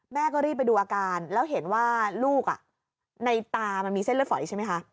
แม่ก็รีบไปดูอาการแล้วเห็นว่าลูกในตามันมีเส้นเลือดฝอยใช่ไหมคะ